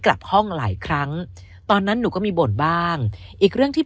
กลับห้องหลายครั้งตอนนั้นหนูก็มีบ่นบ้างอีกเรื่องที่